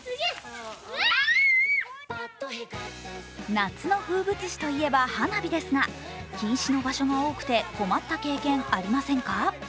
夏の風物詩といえば花火ですが禁止の場所が多くて困った経験、ありませんか？